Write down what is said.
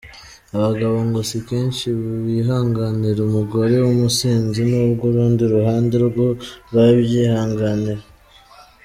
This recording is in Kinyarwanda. Abagabo ngo si kenshi bihanganira umugore w’umusinzi, n’ubwo urundi ruhande rwo rwabyihanganira.